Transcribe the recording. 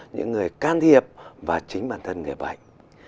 những người can thiệp và chính bản thân người bệnh